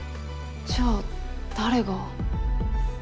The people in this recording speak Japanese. じゃあ誰が？